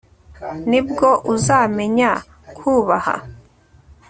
Ni bwo uzamenya kubaha